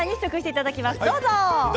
いただきます。